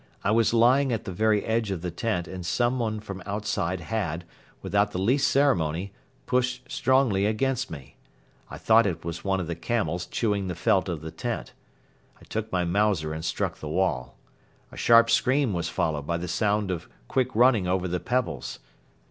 I was lying at the very edge of the tent and someone from outside had, without the least ceremony, pushed strongly against me. I thought it was one of the camels chewing the felt of the tent. I took my Mauser and struck the wall. A sharp scream was followed by the sound of quick running over the pebbles.